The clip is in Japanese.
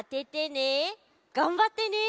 がんばってね。